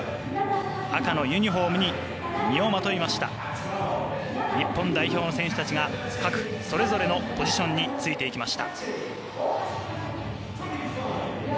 赤のユニフォームを身にまといました日本代表の選手たちが各それぞれのポジションについていきました。